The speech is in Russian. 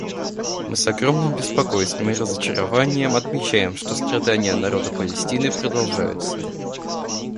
Мы с огромным беспокойством и разочарованием отмечаем, что страдания народа Палестины продолжаются.